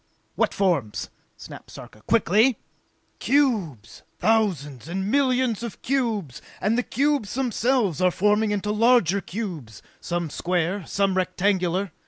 "What forms?" snapped Sarka. "Quickly!" "Cubes! Thousands and millions of cubes, and the cubes themselves are forming into larger cubes, some square, some rectangular!